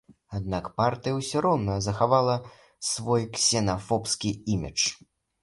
Аднак партыя ўсё роўна захавала свой ксенафобскі імідж.